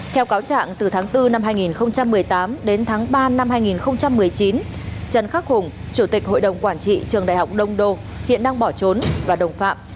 theo cáo trạng từ tháng bốn năm hai nghìn một mươi tám đến tháng ba năm hai nghìn một mươi chín trần khắc hùng chủ tịch hội đồng quản trị trường đại học đông đô hiện đang bỏ trốn và đồng phạm